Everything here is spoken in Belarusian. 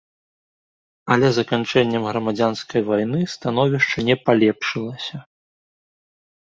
Але заканчэннем грамадзянскай вайны становішча не палепшылася.